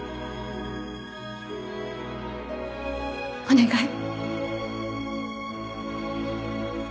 お願い。